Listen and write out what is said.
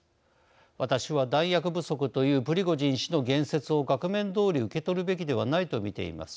私は弾薬不足というプリゴジン氏の言説を額面どおり受け取るべきではないと見ています。